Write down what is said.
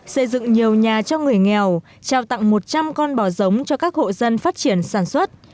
xây dựng nhiều nhà cho người nghèo trao tặng một trăm linh con bò giống cho các hộ dân phát triển sản xuất